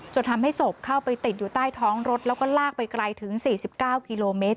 จนทำให้ศพเข้าไปติดอยู่ใต้ท้องรถแล้วก็ลากไปไกลถึง๔๙กิโลเมตร